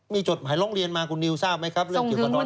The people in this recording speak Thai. มีจดหมายร้องเรียนมาคุณนิวทราบไหมครับส่งถึงคุณดูวิทย์นะครับ